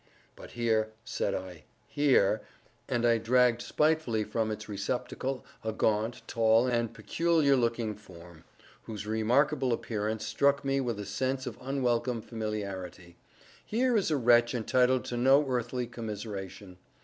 "But here,"—said I—"here"—and I dragged spitefully from its receptacle a gaunt, tall and peculiar looking form, whose remarkable appearance struck me with a sense of unwelcome familiarity—"here is a wretch entitled to no earthly commiseration."